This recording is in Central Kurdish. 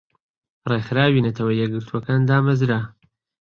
رێکخراوی نەتەوە یەکگرتوەکان دامەزرا